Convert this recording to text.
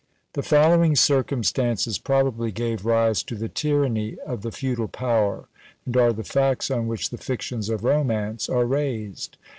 The following circumstances probably gave rise to the tyranny of the feudal power, and are the facts on which the fictions of romance are raised.